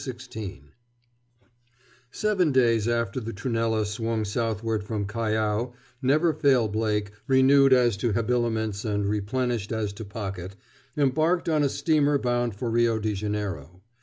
XVI Seven days after the Trunella swung southward from Callao Never Fail Blake, renewed as to habiliments and replenished as to pocket, embarked on a steamer bound for Rio de Janeiro.